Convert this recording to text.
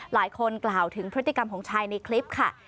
กล่าวถึงพฤติกรรมของชายในคลิปค่ะ